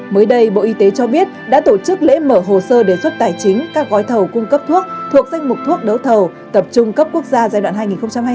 mới đây bộ y tế cho biết đã tổ chức lễ mở hồ sơ đề xuất tài chính các gói thầu cung cấp thuốc thuộc danh mục thuốc đấu thầu tập trung cấp quốc gia giai đoạn hai nghìn một mươi sáu hai nghìn hai mươi